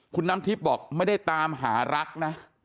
คุณน้ำทิพย์บอกไม่ได้ตามหารักนะ